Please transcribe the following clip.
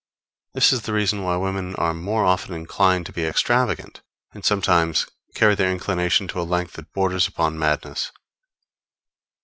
This is the reason why women are more often inclined to be extravagant, and sometimes carry their inclination to a length that borders upon madness.